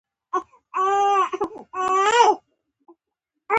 ایا تاسو کولی شئ ما ته د تګ لپاره یو ځایی پارک ومومئ؟